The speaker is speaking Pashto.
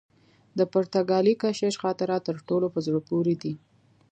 د پرتګالي کشیش خاطرات تر ټولو په زړه پوري دي.